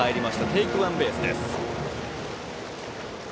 テイクワンベースです。